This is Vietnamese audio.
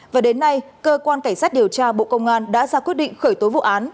và đến nay cơ quan cảnh sát điều tra bộ công an đã ra quyết định khởi tố vụ án